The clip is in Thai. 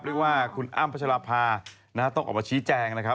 เรียกว่าคุณอ้ำพัชราภาต้องออกมาชี้แจงนะครับ